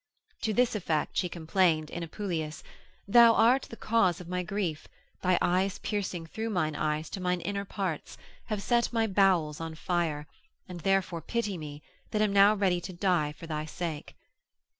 To this effect she complained in Apuleius, Thou art the cause of my grief, thy eyes piercing through mine eyes to mine inner parts, have set my bowels on fire, and therefore pity me that am now ready to die for thy sake.